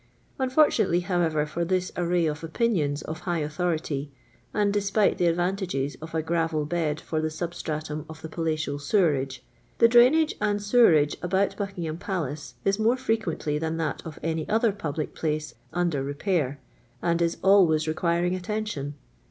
Unfortunately, however, for this array or ojm nions of high authority, and despit'* the advautasres of a gravel bed for the substnitum of the puaiial sewerage, the drainage and sewerage about Buckingham Palace is more frequently than thai of any other public place under repair, and i* always requiring attention.